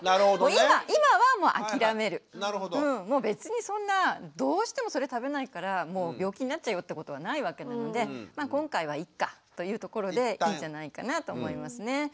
別にそんなどうしてもそれ食べないから病気になっちゃうよってことはないわけなので「今回はいっか」というところでいいんじゃないかなと思いますね。